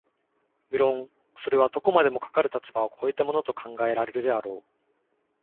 無論それはどこまでもかかる立場を越えたものと考えられるであろう、